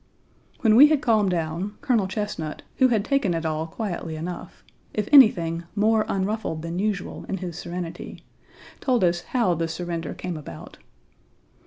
When we had calmed down, Colonel Chesnut, who had taken it all quietly enough, if anything more unruffled than usual in his serenity, told us how the surrender came about.